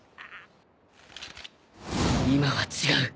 今は違う！